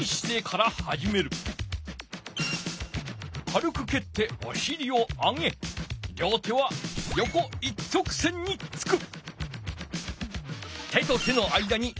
かるくけっておしりを上げ両手はよこ一直線につく。